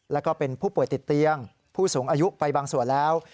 แล้วก็เป็นผู้ป่วยติดเตียงผู้สูงอายุไปบางส่วนแล้ว